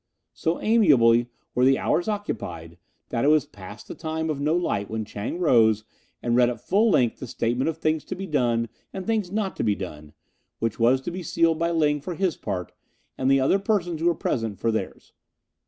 So amiably were the hours occupied that it was past the time of no light when Chang rose and read at full length the statement of things to be done and things not to be done, which was to be sealed by Ling for his part and the other persons who were present for theirs.